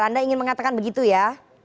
anda ingin mengatakan begitu ya